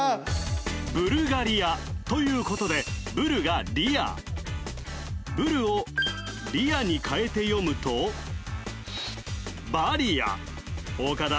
ブルガリアということで「ブル」が「リア」「ブル」を「リア」に変えて読むとバリア岡田